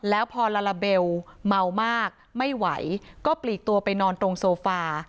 แล้วพอลาลาเบลเมามากไม่ไหวก็ปลีกตัวไปนอนตรงโซฟา